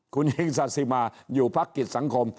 คุณหญิงซาซิมาธุ์ศรีวิกรอยู่พักกิจสังคม